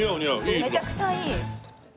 めちゃくちゃいい！